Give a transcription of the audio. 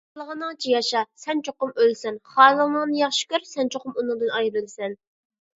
خالىغىنىڭچە ياشا، سەن چوقۇم ئۆلىسەن. خالىغىنىڭنى ياخشى كۆر، سەن چوقۇم ئۇنىڭدىن ئايرىلىسەن.